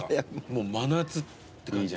もう真夏って感じ。